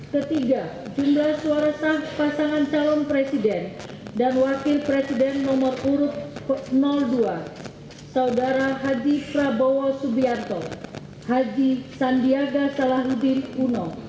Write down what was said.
ketiga jumlah suara sah pasangan calon presiden dan wakil presiden nomor urut dua saudara haji prabowo subianto haji sandiaga salahuddin uno